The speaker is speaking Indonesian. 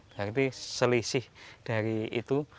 berarti selisih dari itu